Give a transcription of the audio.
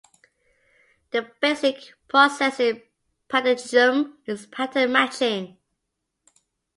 The basic processing paradigm is pattern matching.